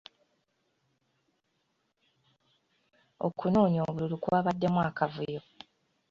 Okunoonya obululu kwabaddemu akavuyo.